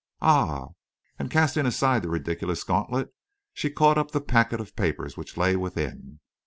"Ah!" and, casting aside the ridiculous gauntlet, she caught up the packet of papers which lay within.